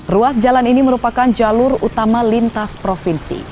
ruas jalan ini merupakan jalur utama lintas provinsi